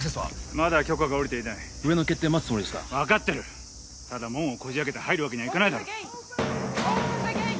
まだ許可が下りていない上の決定待つつもりですか分かってるただ門をこじ開けて入るわけにはいかないだろＯｐｅｎｔｈｅｇａｔｅ